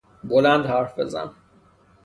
بلند حرف بزن